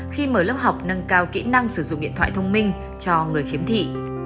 khi mở lớp học nâng cao kỹ năng sử dụng điện thoại thông minh cho người khiếm thị